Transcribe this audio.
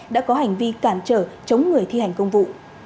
đã có hành vi cản trở chống người thi hành công vụ